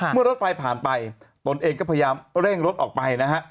เมื่อรถไฟผ่านไปตนเองก็พยายามเร่งรถออกไปนะฮะ